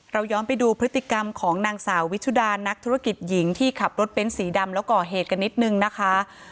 เราย้อนไปดูพฤติกรรมของนางสาววิชุดานักธุรกิจหญิงที่ขับรถเบ้นสีดำแล้วก่อเหตุกันนิดนึงนะคะ